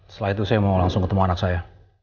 setelah itu saya mau langsung ketemu anak saya